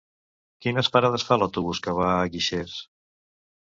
Quines parades fa l'autobús que va a Guixers?